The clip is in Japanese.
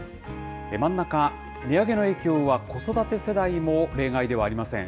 真ん中、値上げの影響は子育て世代も例外ではありません。